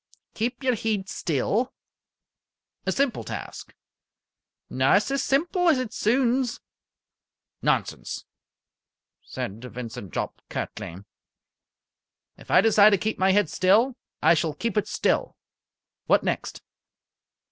"Keep your heid still." "A simple task." "Na sae simple as it soonds." "Nonsense!" said Vincent Jopp, curtly. "If I decide to keep my head still, I shall keep it still. What next?"